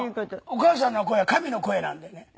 お母さんの声は神の声なんでね。